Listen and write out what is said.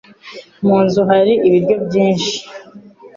Mu nzu hari ibiryo byinshi.